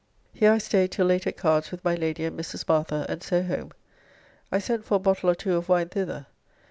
Here I staid till late at cards with my Lady and Mrs. Martha, and so home. I sent for a bottle or two of wine thither.